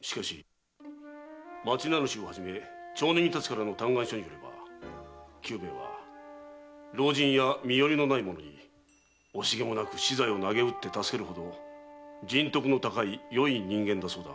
しかし町名主をはじめ町人たちからの嘆願書によれば久兵衛は老人や身寄りのない者に惜しげもなく私財をなげうって助けるほどの人徳の高いよい人間だそうだが？